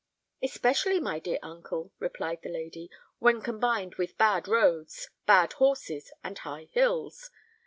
"Especially, my dear uncle," replied the lady, "when combined with bad roads, bad horses, and high hills.